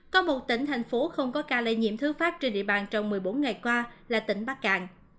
có một tỉnh thành phố không có ca lây nhiễm thứ phát trên địa bàn trong một mươi bốn ngày qua là tỉnh bắc cạn